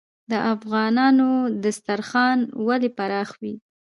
د افغانانو دسترخان ولې پراخ وي؟